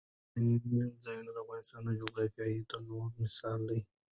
سیلانی ځایونه د افغانستان د جغرافیوي تنوع مثال دی.